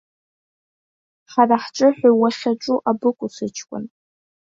Ҳара ҳҿы хәа уахьаҿу абыкәу сыҷкәын?